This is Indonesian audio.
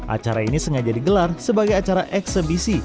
acara ini sengaja digelar sebagai acara eksebisi